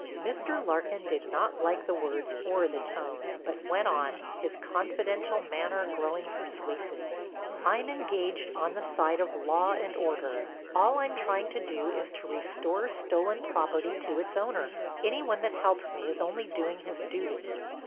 Mr. Larkin did not like the words or the tone, but went on, his confidential manner growing persuasive: "I'm engaged on the side of law and order. All I'm trying to do is to restore stolen property to its owner. Any one that helps me is only doing his duty."